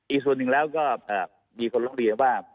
อีกส่วนหนึ่งแล้วก็มีคนร้องเรียนว่า